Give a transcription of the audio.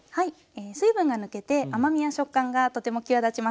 水分が抜けて甘みや食感がとても際立ちます。